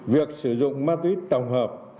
việc sử dụng ma túy tổng hợp